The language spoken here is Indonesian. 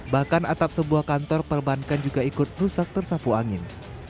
bahkan atap sebuah kantor perbankan juga ikut rusak tersapu angin